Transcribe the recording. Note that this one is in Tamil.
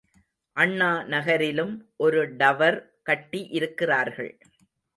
அண்ணா நகரிலும் ஒரு டவர் கட்டி இருக்கிறார்கள்.